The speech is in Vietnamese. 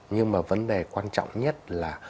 nhưng mà vấn đề quan trọng nhất là